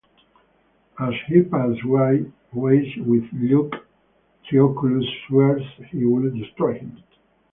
As he parts ways with Luke, Trioculus swears he will destroy him.